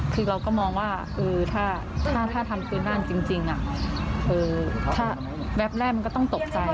คือเราก็มองว่าถ้าทำปืนนั่นจริงคือถ้าแวบแรกมันก็ต้องตกใจ